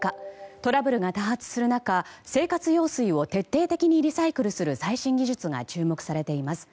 トラブルが多発する中生活用水を徹底的にリサイクルする最新技術が注目されています。